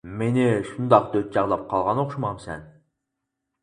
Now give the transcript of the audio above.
-مېنى شۇنداق دۆت چاغلاپ قالغان ئوخشىمامسەن؟ .